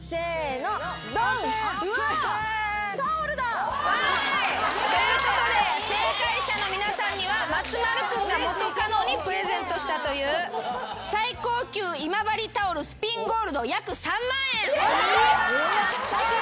うわぁタオルだ！ということで正解者の皆さんには松丸君が元カノにプレゼントしたという最高級今治タオルスビンゴールド約３万円。え！？